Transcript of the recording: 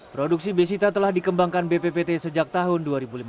produksi besita telah dikembangkan bppt sejak tahun dua ribu lima belas